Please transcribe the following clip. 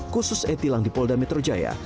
khusus e tilang di polda metro jaya